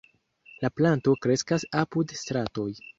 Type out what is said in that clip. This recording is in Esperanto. La planto kreskas apud stratoj.